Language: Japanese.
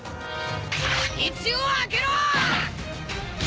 道を空けろ！